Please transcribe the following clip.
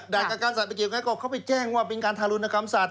ด่านกักกันสัตว์ไม่เกี่ยวกันก็เขาไปแจ้งว่าเป็นการทารุณคำสัตว์